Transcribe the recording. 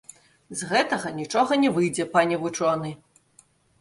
З гэтага нічога не выйдзе, пане вучоны.